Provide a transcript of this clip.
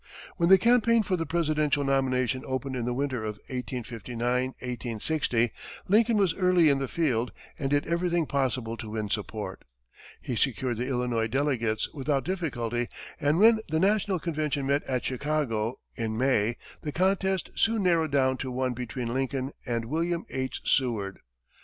When the campaign for the presidential nomination opened in the winter of 1859 1860, Lincoln was early in the field and did everything possible to win support. He secured the Illinois delegates without difficulty, and when the national convention met at Chicago, in May, the contest soon narrowed down to one between Lincoln and William H. Seward.